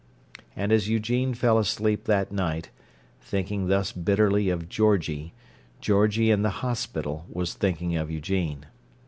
And as Eugene fell asleep that night, thinking thus bitterly of Georgie, Georgie in the hospital was thinking of Eugene.